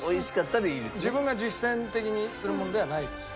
自分が実践的にするものではないです。